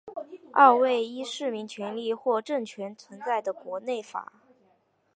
二为依市民权利或政权存在的国内法。